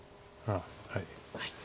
はい。